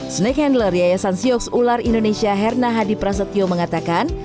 snake handler yayasan siox ular indonesia herna hadi prasetyo mengatakan